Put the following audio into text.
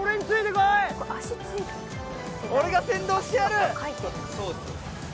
俺が先導してやる！